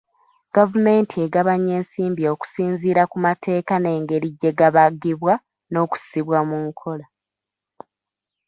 Gavumenti egabanya ensimbi okusinziira ku mateeka n'engeri gye gabagibwa n'okussibwa mu nkola.